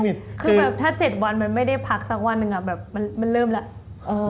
คือแบบถ้า๗วันมันไม่ได้พักสักวันหนึ่งแบบมันเริ่มแล้ว